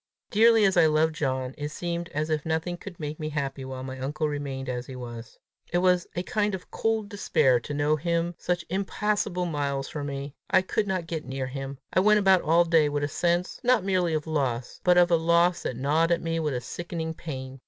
Dearly as I loved John, it seemed as if nothing could make me happy while my uncle remained as he was. It was a kind of cold despair to know him such impassable miles from me. I could not get near him! I went about all day with a sense not merely of loss, but of a loss that gnawed at me with a sickening pain.